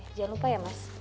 jangan lupa ya mas